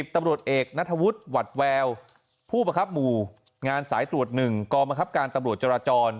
ตำรวจเอกนัทวุฒิหวัดแววผู้บังคับหมู่งานสายตรวจ๑กองบังคับการตำรวจจราจร